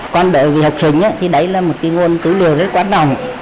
còn về học sinh thì đấy là một nguồn cứ liều rất quan trọng